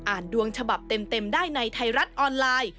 ดวงฉบับเต็มได้ในไทยรัฐออนไลน์